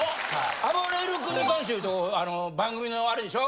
あばれる君に関して言うとあの番組のあれでしょ。